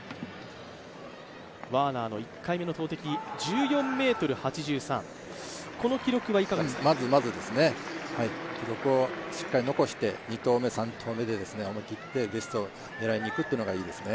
ワーナーの１回目の記録はまずまずですね、記録をしっかり残して２投目３投目でベストを狙いにいくというのがいいですね。